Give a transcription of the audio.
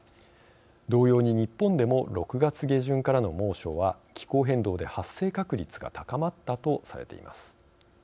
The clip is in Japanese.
同様に、日本でも６月下旬からの猛暑は気候変動で発生確率が高まったとされています。